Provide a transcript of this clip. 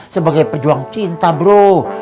sebagai pejuang cinta bro